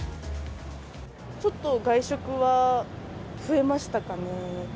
ちょっと外食は増えましたかね。